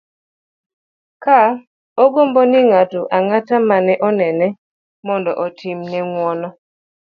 ka ogombo ni ng'ato ang'ata mane onene mondo otim ne ng'uono